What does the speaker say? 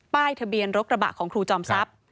ทะเบียนรถกระบะของครูจอมทรัพย์